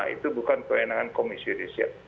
itu bukan kewenangan komisi yudisial